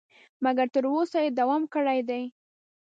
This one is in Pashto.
مګر تر اوسه یې دوام کړی دی.